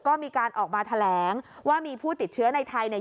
ก็มีการออกมาแถลงว่ามีผู้ติดเชื้อในไทยเนี่ย